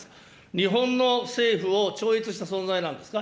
日本の政府を超越した存在なんですか。